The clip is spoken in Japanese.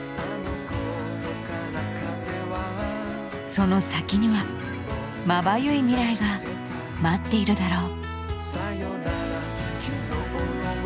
その先にはまばゆい未来が待っているだろう。